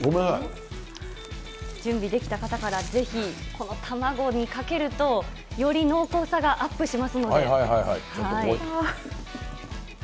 準備できた方からぜひ、この卵にかけると、より濃厚さがアップしますので。